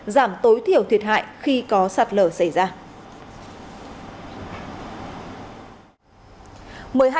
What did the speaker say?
giảm tối thiểu thiệt hại khi có sạt lở xảy ra